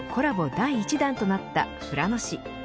第１弾となった富良野市。